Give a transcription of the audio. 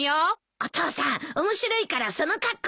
お父さん面白いからその格好で出てったら？